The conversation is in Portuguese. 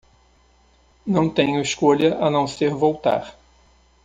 Não tenho escolha a não ser voltar.